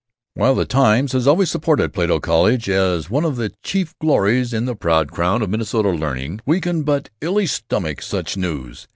While the TIMES has always supported Plato College as one of the chief glories in the proud crown of Minnesota learning, we can but illy stomach such news.